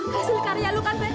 kehasil karya lu kan be